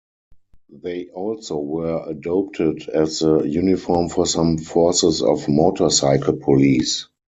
They also were adopted as the uniform for some forces of motorcycle police.